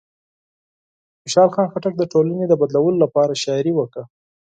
خوشحال خان خټک د ټولنې د بدلولو لپاره شاعري وکړه.